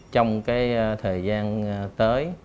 trong thời gian tới